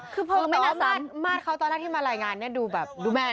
คือเพราะมาตรเขาตอนแรกที่มารายงานดูแบบดูแม่นะ